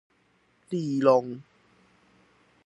立榮